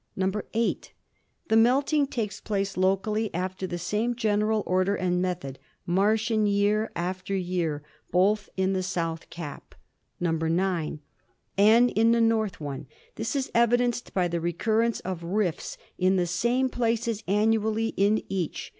"(8) The melting takes place locally after the same gen eral order and method, Martian year after year, both in the south cap "(9) And in the north one. This is evidenced by the recurrence of rifts in the same places annually in each.